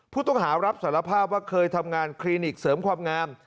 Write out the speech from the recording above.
ผู้ต้องหารับสารภาพว่าเคยทำงานคลินิกเสริมความงาม